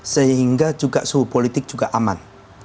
sehingga juga suhu politik juga aman